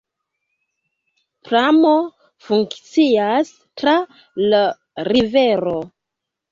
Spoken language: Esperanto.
Pramo funkcias tra la rivero.